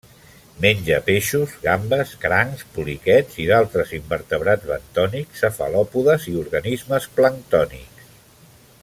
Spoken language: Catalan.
Menja peixos, gambes, crancs, poliquets i d'altres invertebrats bentònics, cefalòpodes i organismes planctònics.